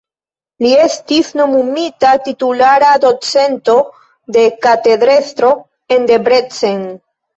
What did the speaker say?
Li estis nomumita titulara docento kaj katedrestro en Debrecen.